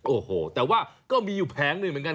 โอ้โหแต่ว่าก็มีอยู่แผงหนึ่งเหมือนกัน